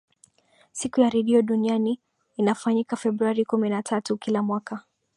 siku ya radio duniani inafanyika februari kumi na tatu kila mwaka